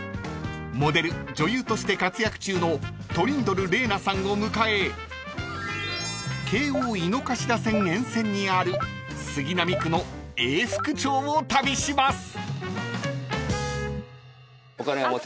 ［モデル・女優として活躍中のトリンドル玲奈さんを迎え京王井の頭線沿線にある杉並区の永福町を旅します］